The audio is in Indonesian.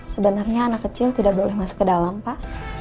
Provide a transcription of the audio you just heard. sebenarnya anak kecil tidak boleh masuk ke dalam pak